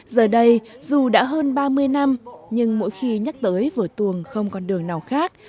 giờ đây dù đã hơn ba mươi năm nhưng mỗi khi nhắc tới vở tuồng không con đường nào khác